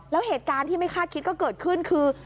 แล้วเหตุการณ์ที่ไม่คาดคิดก็เกิดขึ้นคือ